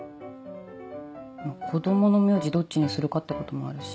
子供の名字どっちにするかってこともあるし。